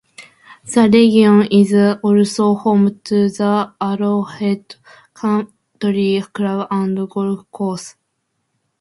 The region is also home to the Arrowhead Country Club and Golf Course.